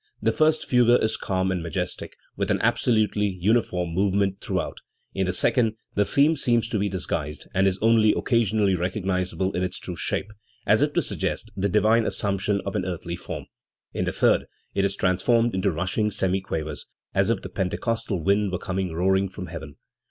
The first fugue is calm and majestic, with an absolutely uniform movement through out; in the second, the theme seems to be disguised, and is only occasionally recognisable in its true shape, as if to suggest the divine assumption of an earthly form; in the third, it is transformed into rushing semiquavers, as if the Pentecostal wind were coining roaring from heaven.